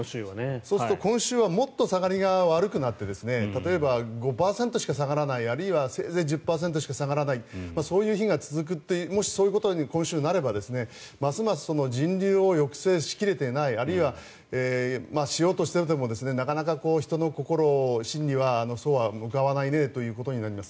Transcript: そうするともっと下がりが悪くなって例えば、５％しか下がらないあるいはせいぜい１０％しか下がらないそういう日が続くとかもしそういうことに今週なればますます人流を抑制しきれていないあるいは、しようとしていてもなかなか人の心、心理はそうは向かわないねということになります。